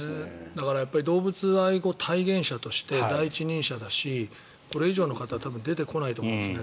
だから動物愛護体現者として第一人者だし、これ以上の方は多分出てこないと思いますね。